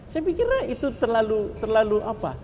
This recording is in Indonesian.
saya pikirnya itu terlalu